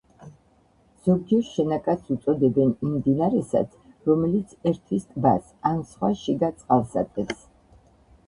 ზოგჯერ შენაკადს უწოდებენ იმ მდინარესაც, რომელიც ერთვის ტბას ან სხვა შიგა წყალსატევს.